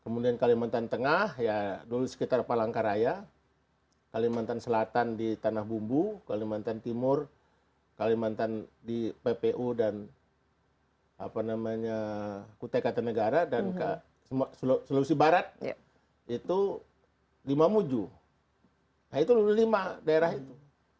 kemudian kalimantan tengah ya dulu sekitar palangkaraya kalimantan selatan di tanah bumbu kalimantan timur kalimantan di ppu dan kutai katanegara dan sulawesi barat itu lima muju nah itu dulu lima daerah itu